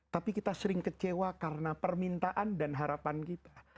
tapi kita sering kecewa karena permintaan dan harapan kita